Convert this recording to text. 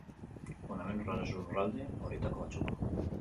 Hona hemen lurraldez-lurralde horietako batzuk.